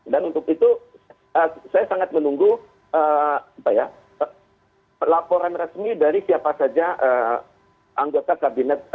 dan untuk itu saya sangat menunggu laporan resmi dari siapa saja anggota kabinet malaysia